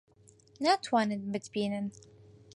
ناتوانن بتبینن.